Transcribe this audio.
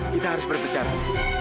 kita harus berbicara